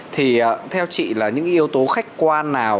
thì theo chị là những yếu tố khách quan nào